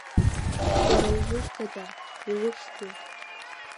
Уара узусҭада, иухьӡи?